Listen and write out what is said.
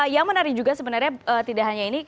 yang menarik juga sebenarnya tidak hanya ini